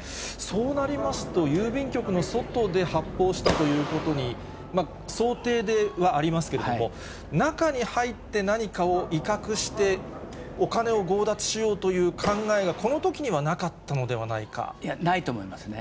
そうなりますと、郵便局の外で発砲したということに、想定ではありますけれども、中に入って何かを威嚇して、お金を強奪しようという考えが、このときにはなかったのではないいや、ないと思いますね。